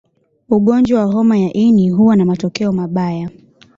Ugonjwa wa homa ya ini huwa na matokeo mabaya